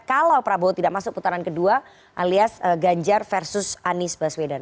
kalau prabowo tidak masuk putaran kedua alias ganjar versus anies baswedan